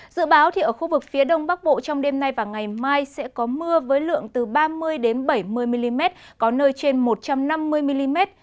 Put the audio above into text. dự báo ở khu vực phía đông bắc bộ trong đêm nay và ngày mai sẽ có mưa với lượng từ ba mươi bảy mươi mm có nơi trên một trăm năm mươi mm